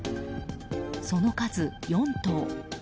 その数４頭。